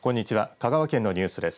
香川県のニュースです。